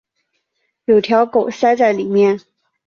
有条狗塞在里面